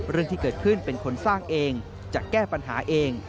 เรื่องที่เกิดขึ้นเป็นคนสร้างเองจะแก้ปัญหาเอง